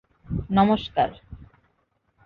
নমস্কার!